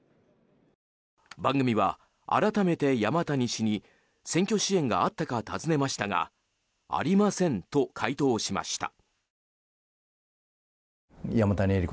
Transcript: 番組は改めて山谷氏に選挙支援があったか尋ねましたがありませんと回答しました。